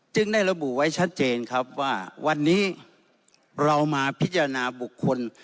ได้ระบุไว้ชัดเจนครับว่าวันนี้เรามาพิจารณาบุคคล